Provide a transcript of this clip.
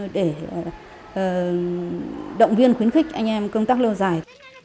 để động viên khuyến khích anh em công tác lâu dài